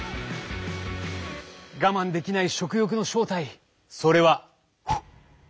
我慢できない食欲の正体それは。